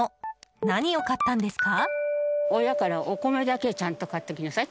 何を買ったんですか？